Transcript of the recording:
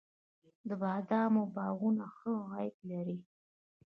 د بادامو باغونه ښه عاید لري؟